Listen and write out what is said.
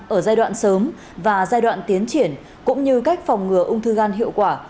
ở giai đoạn sớm và giai đoạn tiến triển cũng như cách phòng ngừa ung thư gan hiệu quả